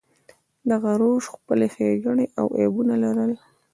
دغه روش خپلې ښېګڼې او عیبونه لرل.